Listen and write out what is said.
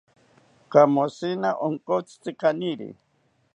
Kamoshina onkotzitzi kaniri